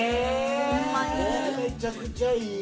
めちゃくちゃいい。